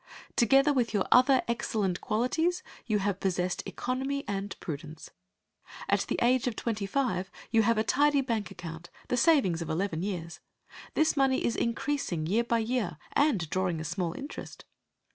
Together with your other excellent qualities, you have possessed economy and prudence. At the age of twenty five you have a tidy bank account, the savings of eleven years. This money is increasing, year by year, and drawing a small interest.